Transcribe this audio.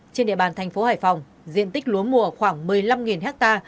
trên địa bàn thành phố hải phòng diện tích lúa mùa khoảng một mươi năm ha